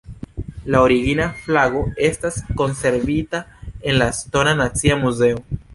La origina flago estas konservita en la estona nacia muzeo.